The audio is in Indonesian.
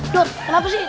dot kenapa sih